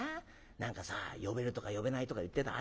何かさ呼べるとか呼べないとか言ってた。